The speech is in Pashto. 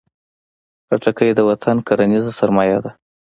خټکی د وطن کرنیزه سرمایه ده.